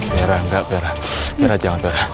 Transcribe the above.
berah enggak berah jangan berah